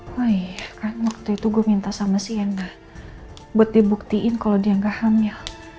woy kan waktu itu gue minta sama sienna buat dibuktiin kalau dia nggak hamil